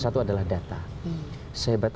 satu adalah data sehebat